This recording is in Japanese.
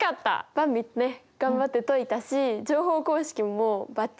ばんびね頑張って解いたし乗法公式もうバッチリです！